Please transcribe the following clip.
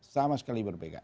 sama sekali berbeda